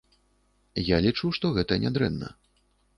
Я лічу, што гэта нядрэнна.